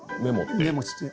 メモして。